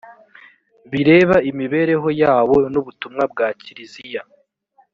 bireba imibereho yabo n’ubutumwa bwa kiliziya